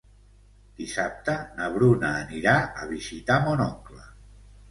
Dissabte na Bruna anirà a visitar mon oncle.